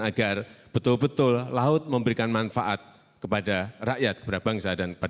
agar betul betul laut memberikan manfaat kepada rakyat kepada bangsa dan negara